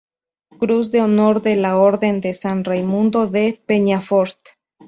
Cruz de Honor de la Orden de San Raimundo de Peñafort